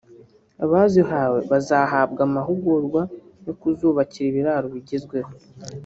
abazihawe bazahabwa amahugurwa yo kuzubakira ibiraro bigezweho